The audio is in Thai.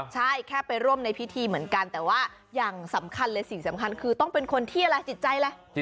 ใช่แค่ไปร่วมในพิธีเหมือนกันแต่ว่าอย่างสำคัญเลยสิ่งสำคัญคือต้องเป็นคนที่อะไรจิตใจอะไร